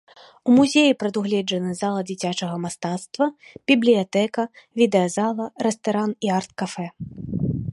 У музеі прадугледжаны зала дзіцячага мастацтва, бібліятэка, відэазала, рэстаран і арт-кафэ.